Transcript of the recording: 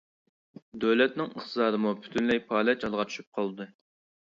دۆلەتنىڭ ئىقتىسادىمۇ پۈتۈنلەي پالەچ ھالغا چۈشۈپ قالدى.